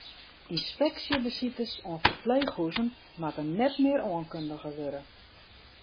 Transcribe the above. Ynspeksjebesites oan ferpleechhûzen moatte net mear oankundige wurde.